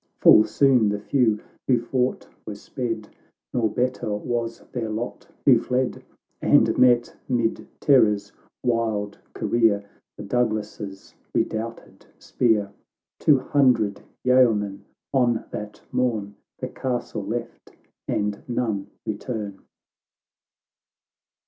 G39 Full soon the few who fought were sped, Nor better was their lot who fled, And met, 'mid terror's wild career, The Douglas's redoubted spear ! Two hundred yeomen on that morn The castle left, and none return.